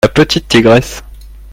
la petite tigresse.